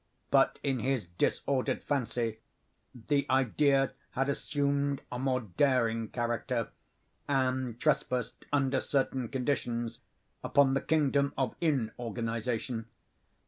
But, in his disordered fancy, the idea had assumed a more daring character, and trespassed, under certain conditions, upon the kingdom of inorganization.